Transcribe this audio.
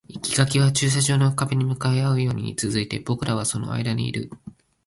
生垣は駐車場の壁に向かい合うように続いていて、僕らはその間にいる